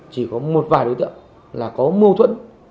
chỉ có một vài đối tượng là có mâu thuẫn